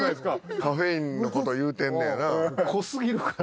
カフェインのこと言うてんねやな。